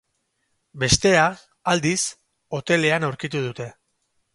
Bestea, aldiz, hotelean aurkitu dute.